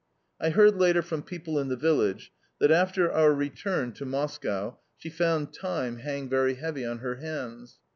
I heard later from people in the village that, after our return to Moscow, she found time hang very heavy on her hands.